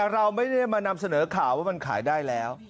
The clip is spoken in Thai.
เราไม่ได้มานำเสนอข่าวว่ามันขายได้แล้ว